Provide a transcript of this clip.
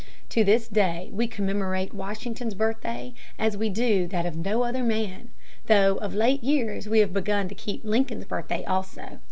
To this day, we commemorate Washington's birthday as we do that of no other man, though of late years we have begun to keep Lincoln's birthday also.